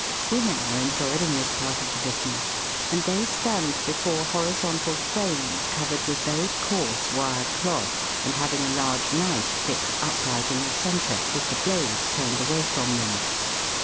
Women are employed in this part of the bu siness, and they stand before horizontal frames covered with very coarse wire cloth, and having a large knife fixed upright in the centre, with the blade turned away from them.